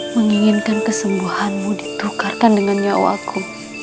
menginginkan kesembuhanmu ditukarkan dengan nyawaku